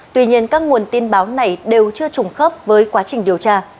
tuy nhiên các nguồn tin báo này đều chưa trùng khớp với quá trình điều tra